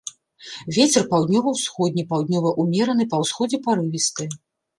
Вецер паўднёва-ўсходні, паўднёвы ўмераны, па ўсходзе парывісты.